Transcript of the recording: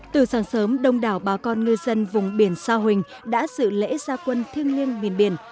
từ sáng sớm đông đảo bà con ngư dân vùng biển sa huỳnh đã sự lễ gia quân thiêng liêng miền biển